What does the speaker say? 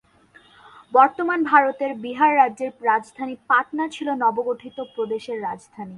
বর্তমান ভারতের বিহার রাজ্যের রাজধানী পাটনা ছিল নবগঠিত প্রদেশের রাজধানী।